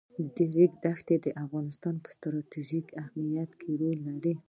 د ریګ دښتې د افغانستان په ستراتیژیک اهمیت کې رول لري.